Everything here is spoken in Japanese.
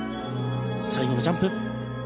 最後のジャンプ。